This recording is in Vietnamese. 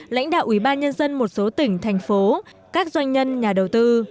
lãnh đạo ủy ban nhân dân một số tỉnh thành phố các doanh nhân nhà đầu tư